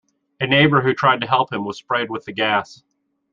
A neighbour who tried to help him was sprayed with the gas.